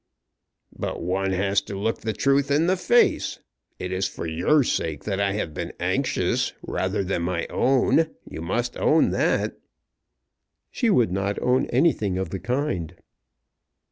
"But one has to look the truth in the face. It is for your sake that I have been anxious, rather than my own. You must own that." She would not own anything of the kind.